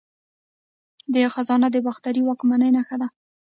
دا خزانه د باختري واکمنۍ نښه ده